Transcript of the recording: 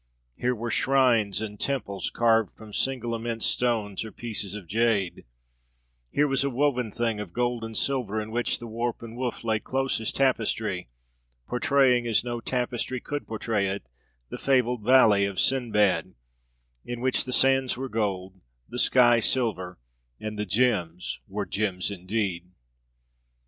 Here were shrines and temples, carved from single immense stones or pieces of jade; here was a woven thing of gold and silver, in which the warp and woof lay close as tapestry, portraying as no tapestry could portray it the fabled valley of "Sinbad," in which the sands were gold, the sky silver, and the gems were gems indeed.